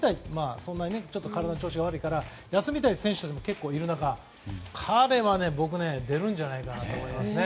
体の調子が悪いから休みたい選手もいる中彼は僕は出るんじゃないかなと思いますね。